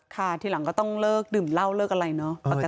ทีหลังก็ต้องเลิกดื่มเหล้าเลิกอะไรเนาะ